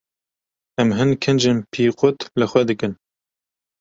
Em hin kincên pîqut li xwe dikin.